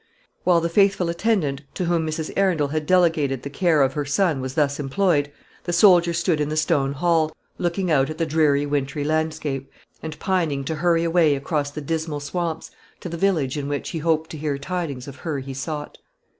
While the faithful attendant to whom Mrs. Arundel had delegated the care of her son was thus employed, the soldier stood in the stone hall, looking out at the dreary wintry landscape, and pining to hurry away across the dismal swamps to the village in which he hoped to hear tidings of her he sought.